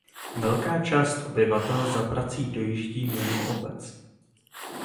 Velká část obyvatel za prací dojíždí mimo obec.